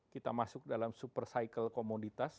kita masuk dalam super cycle komoditas